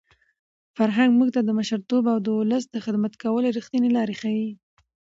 فرهنګ موږ ته د مشرتوب او د ولس د خدمت کولو رښتینې لارې ښيي.